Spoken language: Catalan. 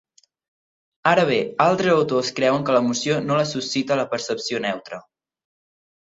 Ara bé, altres autors creuen que l'emoció no la suscita la percepció neutra.